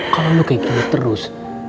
kalau lo kayak gini terus